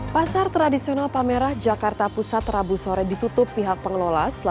pasar tradisional palmerah jakarta pusat rabu sore ditutup pihak pengelola